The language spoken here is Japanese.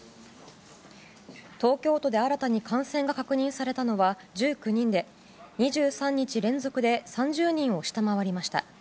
東京都で新たに感染が確認されたのは１９人で２３日連続で３０人を下回りました。